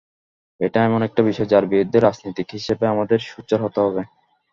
এটা এমন একটা বিষয়, যার বিরুদ্ধে রাজনীতিক হিসেবে আমাদের সোচ্চার হতে হবে।